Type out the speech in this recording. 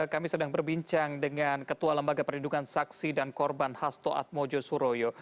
kami sedang berbincang dengan ketua lembaga perlindungan saksi dan korban hasto atmojo suroyo